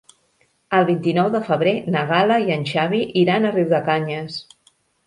El vint-i-nou de febrer na Gal·la i en Xavi iran a Riudecanyes.